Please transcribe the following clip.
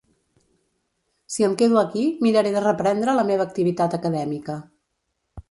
Si em quedo aquí miraré de reprendre la meva activitat acadèmica.